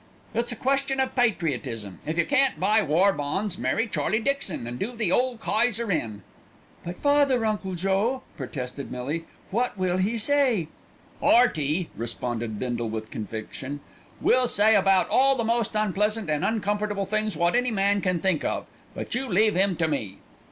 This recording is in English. "It's a question of patriotism. If you can't buy War Bonds, marry Charlie Dixon, and do the ole Kayser in." "But father, Uncle Joe?" protested Millie. "What will he say?" "'Earty," responded Bindle with conviction, "will say about all the most unpleasant and uncomfortable things wot any man can think of; but you leave 'im to me."